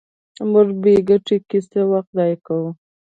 موږ په بې ګټې کیسو وخت ضایع کوو.